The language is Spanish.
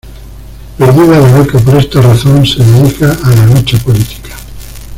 Perdida la beca por esta razón, se dedica a la lucha política.